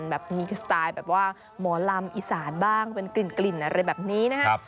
แบบมีสไตล์แบบว่าหมอลำอีสานบ้างเป็นกลิ่นอะไรแบบนี้นะครับ